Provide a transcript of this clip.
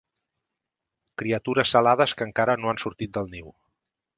Criatures alades que encara no han sortit del niu.